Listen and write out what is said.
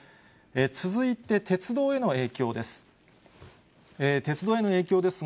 続いて、鉄道への影響です。